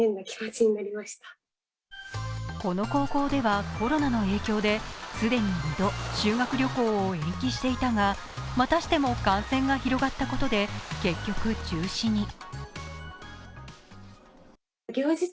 この高校では、コロナの影響で既に２度、修学旅行を延期していたが、またしても感染が広がったことで、結局、中止に。